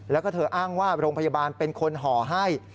แล้วก็เธออ้างว่าโรงพยาบาลเป็นคนห่อให้